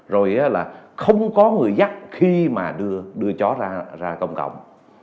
rồi là không có người dắt khi mà đưa chó ra công cộng